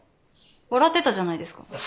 笑ってたじゃないですか。